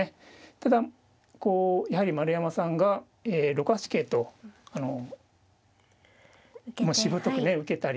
ただやはり丸山さんが６八桂とあのしぶとくね受けたり。